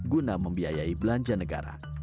guna membiayai belanja negara